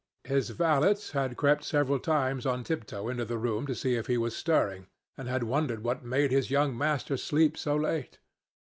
His valet had crept several times on tiptoe into the room to see if he was stirring, and had wondered what made his young master sleep so late.